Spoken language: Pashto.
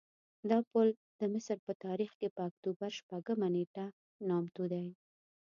دا پل د مصر په تاریخ کې په اکتوبر شپږمه نېټه نامتو دی.